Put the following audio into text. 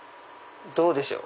どうでしょう？